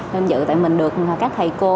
bên dự tại mình được các thầy cô